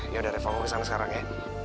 yaudah reva aku kesana sekarang ya